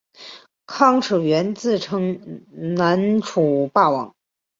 康楚元自称南楚霸王。